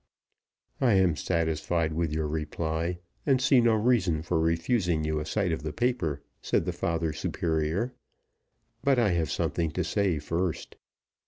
"I am satisfied with your reply, and see no reason for refusing you a sight of the paper," said the father superior; "but I have something to say first.